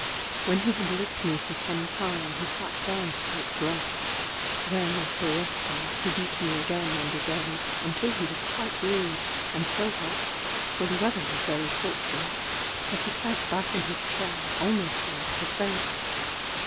When he had licked me for some time he sat down to take breath; then after resting, he beat me again and again, until he was quite wearied, and so hot (for the weather was very sultry), that he sank back in his chair, almost like to faint.